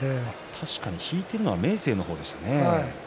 確かに引いているのは明生でしたね。